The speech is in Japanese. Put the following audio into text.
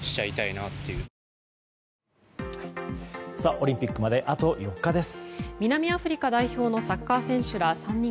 オリンピックまであと４日です。